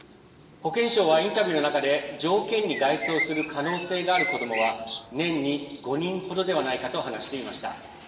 保健相はインタビューの中で条件に該当する可能性がある子どもは年に５人程ではないかと話していました。